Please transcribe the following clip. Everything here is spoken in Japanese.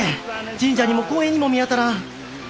神社にも公園にも見当たらん。